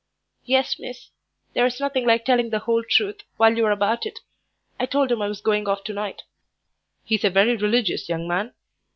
"Yes, miss; there's nothing like telling the whole truth while you're about it. I told him I was going off to night." "He's a very religious young man?"